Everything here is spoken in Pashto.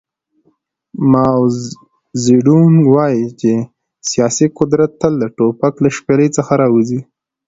ماو زیډونګ وایي چې سیاسي قدرت تل د ټوپک له شپېلۍ څخه راوځي.